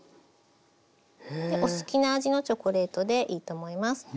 お好きな味のチョコレートでいいと思います。